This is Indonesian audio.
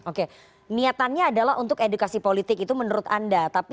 oke niatannya adalah untuk edukasi politik itu menurut anda